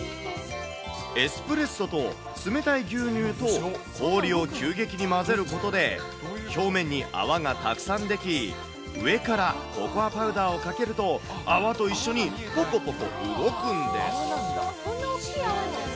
エスプレッソと冷たい牛乳と氷を急激に混ぜることで、表面に泡がたくさん出来、上からココアパウダーをかけると泡と一緒にぽうん！